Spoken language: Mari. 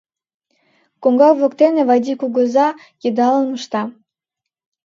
Коҥга воктене Вайди кугыза йыдалым ышта.